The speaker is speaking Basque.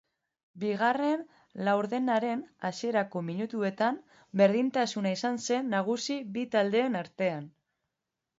Bigarren laurdenaren hasierako minutuetan berdintasuna izan zen nagusi bi taldeen artean.